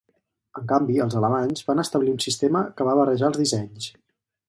En canvi, els alemanys van establir un sistema que va barrejar els dissenys.